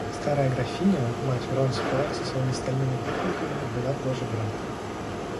Старая графиня, мать Вронского, со своими стальными букольками, была в ложе брата.